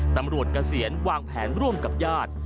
ตำรวจกระเสียนวางแผนร่วมกับญาติ